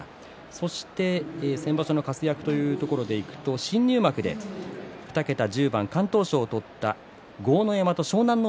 そして先場所の活躍というところでいくと新入幕で２桁１０番勝った豪ノ山と湘南乃